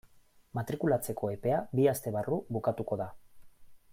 Matrikulatzeko epea bi aste barru bukatuko da.